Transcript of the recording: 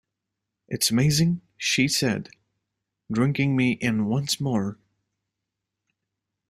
'It's amazing' she said, drinking me in once more.